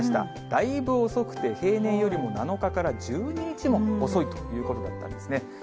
だいぶ遅くて、平年よりも７日から１２日も遅いということだったんですね。